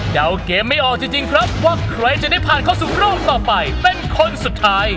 เกมไม่ออกจริงครับว่าใครจะได้ผ่านเข้าสู่รอบต่อไปเป็นคนสุดท้าย